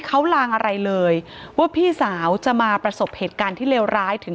เขาลางอะไรเลยว่าพี่สาวจะมาประสบเหตุการณ์ที่เลวร้ายถึง